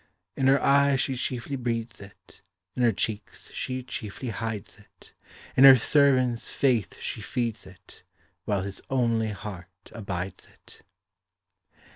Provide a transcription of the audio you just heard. In her eye she chiefly breeds it; In her cheeks she chiefly hides it; In her servant's faith she feeds it, While his only heart abides it.